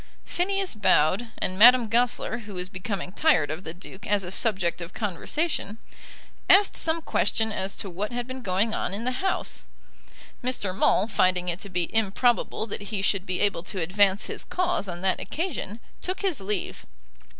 Phineas bowed, and Madame Goesler, who was becoming tired of the Duke as a subject of conversation, asked some question as to what had been going on in the House. Mr. Maule, finding it to be improbable that he should be able to advance his cause on that occasion, took his leave.